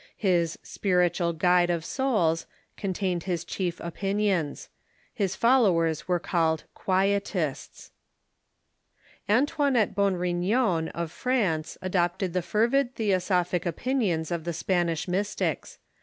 His "Spiritual Guide of Souls" contained his chief opinions. His followers were called Quietists. Antoinette Bourignon, of France, adopted the fervid the osophic opinions of the Spanish Mystics.